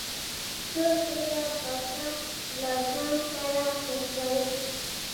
څه تېره پڅه له ځان سره گرځوه.